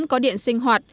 để sớm có điện sinh hoạt